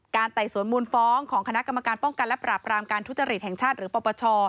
ไต่สวนมูลฟ้องของคณะกรรมการป้องกันและปราบรามการทุจริตแห่งชาติหรือปปช